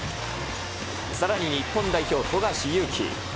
さらに日本代表、富樫勇樹。